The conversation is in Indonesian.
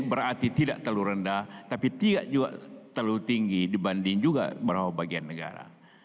berarti tidak terlalu rendah tapi tidak juga terlalu tinggi dibanding juga beberapa bagian negara